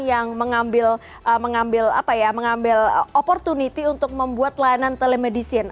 yang mengambil opportunity untuk membuat layanan telemedicine